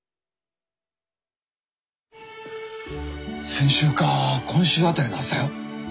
先週か今週辺りのはずだよ。